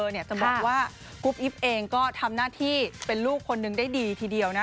จะบอกว่ากุ๊บอิ๊บเองก็ทำหน้าที่เป็นลูกคนนึงได้ดีทีเดียวนะ